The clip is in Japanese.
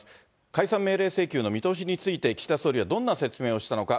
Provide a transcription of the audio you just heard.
解散命令請求の見通しについて岸田総理はどんな説明をしたのか。